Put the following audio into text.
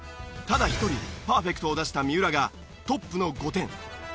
ただ一人パーフェクトを出した三浦がトップの５点。